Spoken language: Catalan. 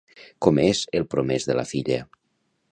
Com és el promès de la filla?